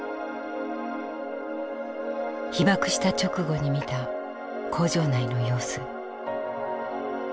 被爆した直後に見た工場内の様子。